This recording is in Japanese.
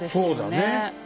そうだね。